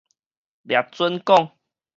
掠準講